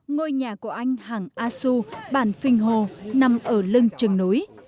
ngôi nhà của anh hằng a xu bản phình hồ nằm ở lưng trường núi